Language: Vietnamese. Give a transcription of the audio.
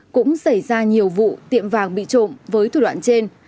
cũng xảy ra nhiều vụ tiệm vàng bị trộm với thủ đoạn trên